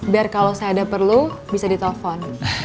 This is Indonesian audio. biar kalau saya ada perlu bisa ditelepon